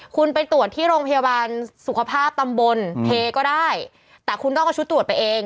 คุณไปตรวจที่โรงพยาบาลสุขภาพตำบลเทก็ได้แต่คุณต้องเอาชุดตรวจไปเอง